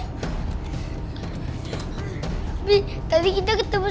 tapi tadi kita ketemu